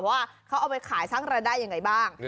ว่าเขาเอาไปขายสร้างรายได้ยังไงบ้าง